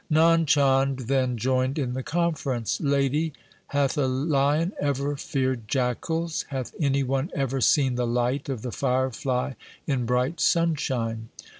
Nand Chand then joined in the conference :' Lady, hath a lion ever feared jackals ? Hath any one ever seen the light of the firefly in bright sunshine